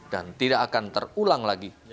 dan tidak akan terulang lagi